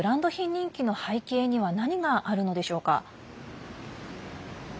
人気の背景には何があるのでしょうか？